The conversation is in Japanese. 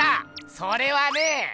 それはね。